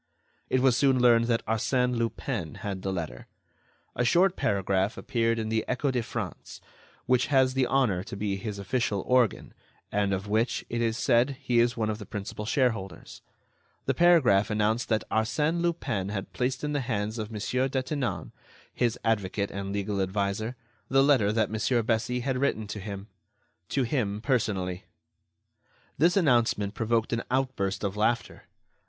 It was soon learned that Arsène Lupin had the letter. A short paragraph appeared in the Echo de France—which has the honor to be his official organ, and of which, it is said, he is one of the principal shareholders—the paragraph announced that Arsène Lupin had placed in the hands of Monsieur Detinan, his advocate and legal adviser, the letter that Monsieur Bessy had written to him—to him personally. This announcement provoked an outburst of laughter.